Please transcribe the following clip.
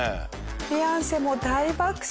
フィアンセも大爆笑。